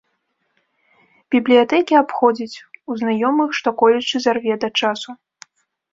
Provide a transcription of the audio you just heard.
Бібліятэкі абходзіць, у знаёмых што-колечы зарве да часу.